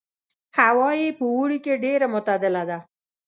هوا یې په اوړي کې ډېره معتدله ده.